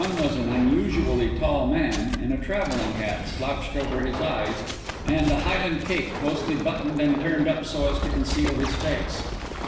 One was an unusually tall man, in a travelling hat slouched over his eyes, and a highland cape closely buttoned and turned up so as to conceal his face.